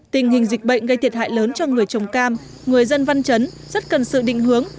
tình hình dịch bệnh gây thiệt hại lớn cho người trồng cam người dân văn chấn rất cần sự định hướng